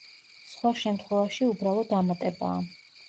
სხვა შემთხვევაში უბრალო დამატებაა.